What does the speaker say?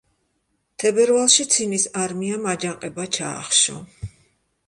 თებერვალში ცინის არმიამ აჯანყება ჩაახშო.